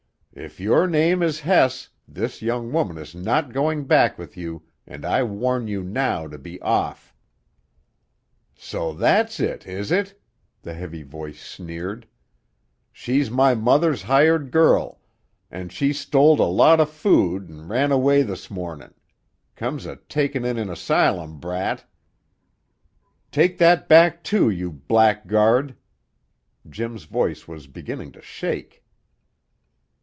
"If your name is Hess, this young woman is not going back with you, and I warn you now to be off." "So that's it, is it?" the heavy voice sneered. "She's my mother's hired girl, an' she stole a lot o' food an' ran away this mornin'. Comes o' takin' in an asylum brat " "Take that back, too, you blackguard!" Jim's voice was beginning to shake.